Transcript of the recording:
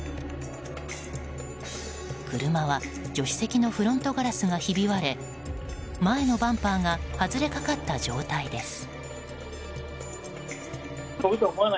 車は助手席のフロントガラスがひび割れ前のバンパーが外れかかった状態です。